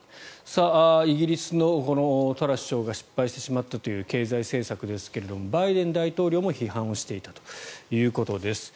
イギリスのトラス首相が失敗してしまったという経済政策ですがバイデン大統領も批判をしていたということです。